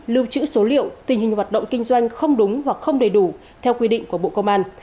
lưu trữ số liệu tình hình hoạt động kinh doanh không đúng hoặc không đầy đủ theo quy định của bộ công an